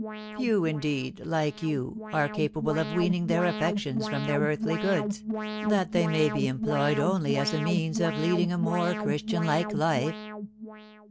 Few, indeed, like you, are capable of weaning their affections from their earthly goods, that they may be employed only as a means of leading a more Christianlike life.